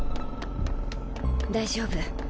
大丈夫。